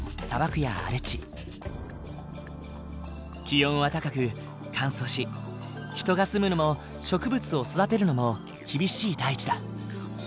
気温は高く乾燥し人が住むのも植物を育てるのも厳しい大地だ。